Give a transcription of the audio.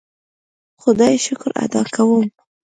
خدای شکر ادا کوم.